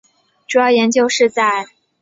主要研究是在高能天文学方面。